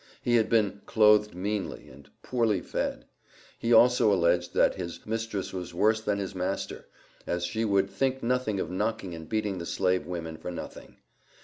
He had been "clothed meanly," and "poorly fed." He also alleged, that his mistress was worse than his master, as she would "think nothing of knocking and beating the slave women for nothing."